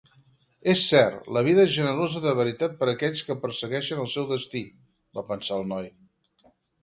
És cert, la vida és generosa de veritat per aquells que persegueixen el seu destí, va pensar el noi.